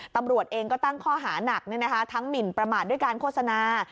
ตำรวจเองก็ตั้งข้อหานักทั้งหมินประมาทด้วยการโฆษณา